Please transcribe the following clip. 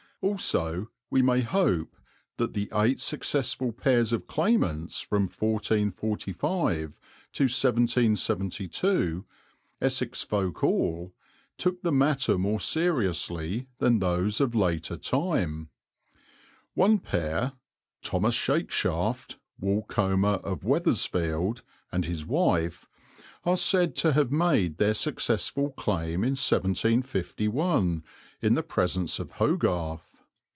Also we may hope that the eight successful pairs of claimants from 1445 to 1772, Essex folk all, took the matter more seriously than those of later time. One pair, Thomas Shakeshaft, Woolcomber of Weathersfield, and his wife, are said to have made their successful claim in 1751 in the presence of Hogarth.